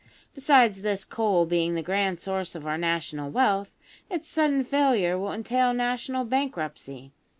Besides this, coal being the grand source of our national wealth, its sudden failure will entail national bankruptcy.